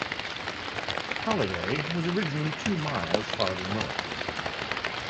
Halliday was originally two miles farther north.